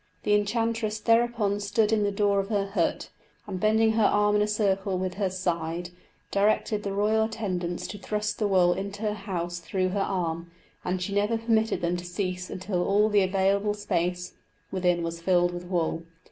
The enchantress thereupon stood in the door of her hut, and bending her arm into a circle with her side, directed the royal attendants to thrust the wool into her house through her arm, and she never permitted them to cease until all the available space within was filled with wool.